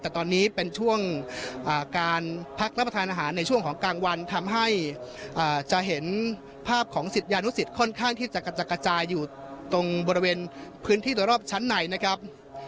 แต่ตอนนี้เป็นช่วงการพักรับประทานอาหารในช่วงของกลางวันทำให้จะเห็นภาพของศิษยานุสิตค่อนข้างที่จะกระจัดกระจายอยู่ตรงบริเวณพื้นที่โดยรอบชั้นในนะครับ